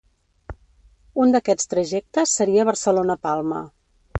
Un d’aquests trajectes seria Barcelona–Palma.